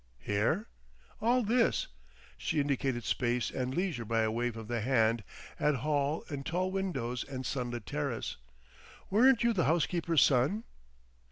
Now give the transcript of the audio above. "Here?" "All this." She indicated space and leisure by a wave of the hand at hall and tall windows and sunlit terrace. "Weren't you the housekeeper's son?"